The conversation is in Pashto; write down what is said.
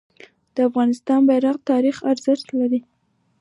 د افغانستان بیرغ تاریخي ارزښت لري.